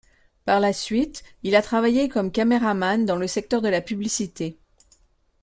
Par la suite, il a travaillé comme caméraman dans le secteur de la publicité.